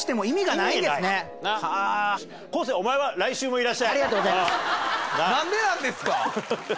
なんでなんですか！